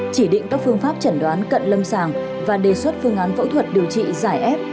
chỉ định các phương pháp chẩn đoán cận lâm sàng và đề xuất phương án phẫu thuật điều trị giải f